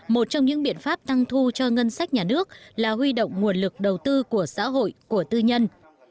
một trong những biện pháp tăng thu cho ngân sách nhà nước là huy động nguồn lực đầu tư của xã hội của tư nhân